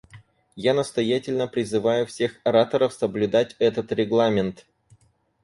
Я настоятельно призываю всех ораторов соблюдать этот регламент.